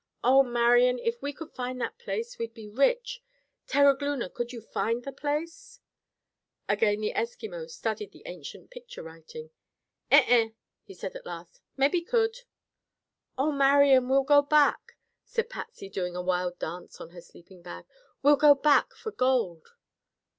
"Oh, Marian! If we could find that place we'd be rich. Terogloona, could you find the place?" Again the Eskimo studied the ancient picture writing. "Eh eh," he said at last. "Mebby could." "Oh, Marian! We'll go back," said Patsy, doing a wild dance on her sleeping bag. "We'll go back for gold!"